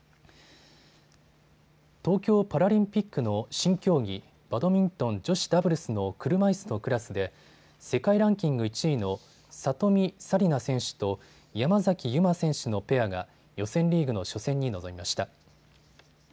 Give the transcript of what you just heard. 東京パラリンピックの新競技、バドミントン女子ダブルスの車いすのクラスで世界ランキング１位の里見紗李選手と山崎悠麻選手のペアが予選リーグの初戦に臨みました。